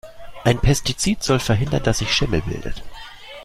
Ein Pestizid soll verhindern, dass sich Schimmel bildet.